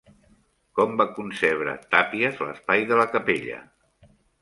Com va concebre Tàpies l'espai de la capella?